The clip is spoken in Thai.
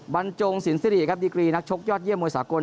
บันจงสินทรีย์ครับดิกรีนักชกยอดเยี่ยมมวยสากล